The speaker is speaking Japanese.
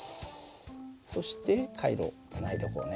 そして回路をつないでおこうね。